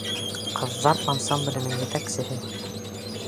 «Ҡыҙҙар» ансамбленең етәксеһе.